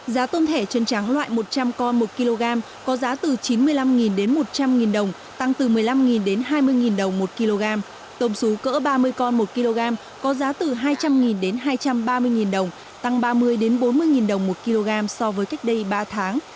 giá tôm thẻ chân trắng loại một trăm linh con một kg có giá từ chín mươi năm đến một trăm linh đồng tăng từ một mươi năm đến hai mươi đồng một kg tôm xú cỡ ba mươi con một kg có giá từ hai trăm linh đến hai trăm ba mươi đồng tăng ba mươi bốn mươi đồng một kg so với cách đây ba tháng